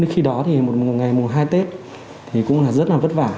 khi đó thì một ngày mùa hai tết thì cũng là rất là vất vả